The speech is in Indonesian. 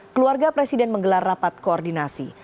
keluarga presiden menggelar rapat koordinasi